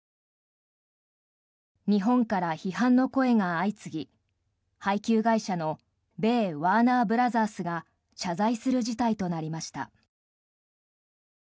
日本から批判の声が相次ぎ配給会社の米ワーナー・ブラザースが謝罪する事態となりました。